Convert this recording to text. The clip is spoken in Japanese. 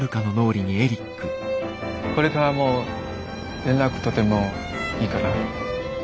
これからも連絡取ってもいいかな？